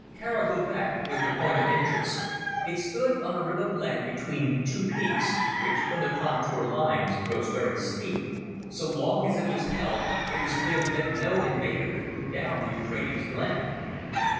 Kara Gubek was the point of interest. It stood on a rib of land between two peaks, which from the contour lines rose very steep. So long as it was held it was clear that no invader could move down the Euphrates glen.